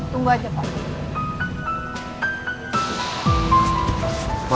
tunggu aja pak